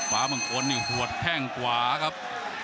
บางคนนี่หัวแข้งขวาครับ